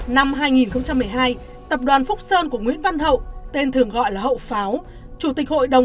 năm hai nghìn một mươi hai tập đoàn phúc sơn của nguyễn văn hậu tên thường gọi là hậu pháo chủ tịch hội đồng